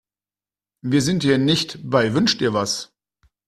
Wir sind hier nicht bei Wünsch-dir-was.